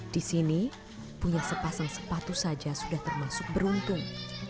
di sini punya sepasang sepatu saja sudah termasuk beruntung